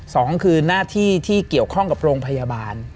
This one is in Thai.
สองคือหน้าที่ที่เกี่ยวข้องกับโรงพยาบาล